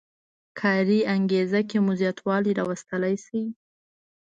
کاري انګېزه کې مو زیاتوالی راوستلی شي.